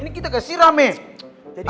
ini kita gak siram meh